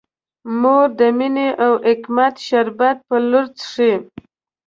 مور د مینې او حکمت شربت په لور څښي.